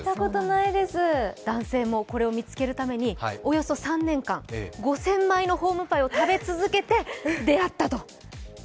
男性もこれを見つけるために５０００枚のホームパイを食べ続けて出会ったと。